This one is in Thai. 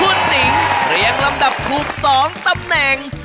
คุณหนิงเรียงลำดับถูก๒ตำแหน่ง